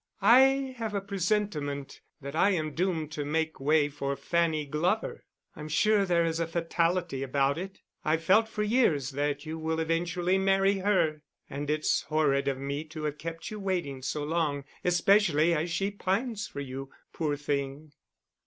"I have a presentiment that I am doomed to make way for Fanny Glover. I'm sure there's a fatality about it. I've felt for years that you will eventually marry her, and it's horrid of me to have kept you waiting so long especially as she pines for you, poor thing."